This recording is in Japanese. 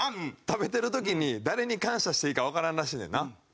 食べてる時に誰に感謝していいかわからんらしいねんな。